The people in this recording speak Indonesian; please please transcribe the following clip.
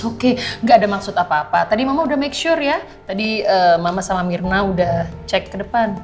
hoki gak ada maksud apa apa tadi mama udah make sure ya tadi mama sama mirna udah cek ke depan